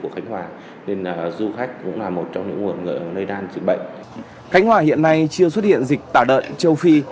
khánh hòa hiện nay chưa xuất hiện dịch tạo đợn châu phi